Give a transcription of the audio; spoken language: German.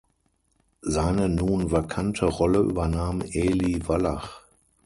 Seine nun vakante Rolle übernahm Eli Wallach.